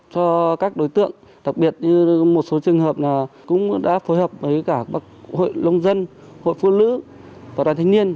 cho các đối tượng đặc biệt như một số trường hợp cũng đã phối hợp với cả hội lông dân hội phu lữ và đoàn thành niên